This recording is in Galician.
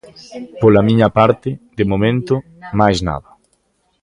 Pola miña parte, de momento, máis nada.